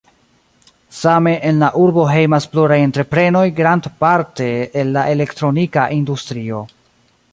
Same en la urbo hejmas pluraj entreprenoj, grandparte el la elektronika industrio.